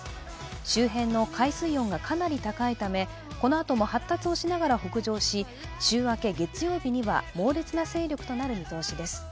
周辺の海水温がかなり高いため、このあとも発達をしながら北上し、週明け月曜日には猛烈な勢力となる見通しです。